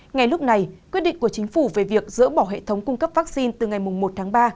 ngay lúc này quyết định của chính phủ về việc dỡ bỏ hệ thống cung cấp vaccine từ ngày một tháng ba